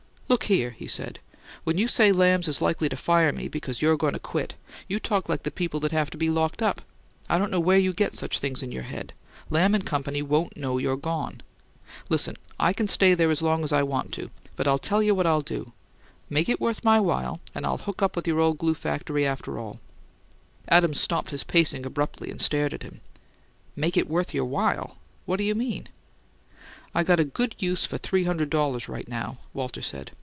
"Look here," he said. "When you say Lamb's is likely to fire me because you're goin' to quit, you talk like the people that have to be locked up. I don't know where you get such things in your head; Lamb and Company won't know you're gone. Listen: I can stay there long as I want to. But I'll tell you what I'll do: make it worth my while and I'll hook up with your old glue factory, after all." Adams stopped his pacing abruptly, and stared at him. "'Make it worth your while?' What you mean?" "I got a good use for three hundred dollars right now," Walter said.